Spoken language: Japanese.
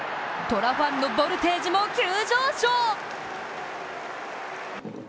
虎ファンのボルテージも急上昇。